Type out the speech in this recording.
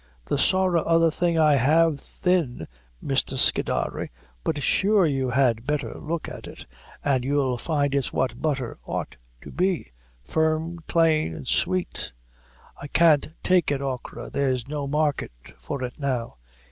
"The sorra other thing I have, thin, Mr. Skinadre; but sure you had betther look at it, an' you'll find it's what butther ought to be, firm, claine, and sweet." "I can't take it, achora; there's no market for it now."